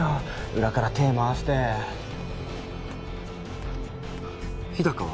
裏から手回して日高は？